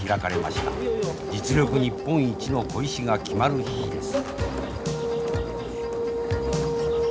実力日本一の鯉師が決まる日です。